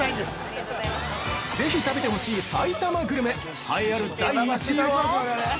◆ぜひ食べてほしい埼玉グルメ栄えある第１位は！